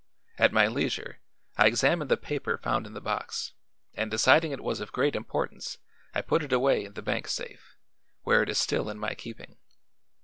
At my leisure I examined the paper found in the box and deciding it was of great importance I put it away in the bank safe, where it is still in my keeping.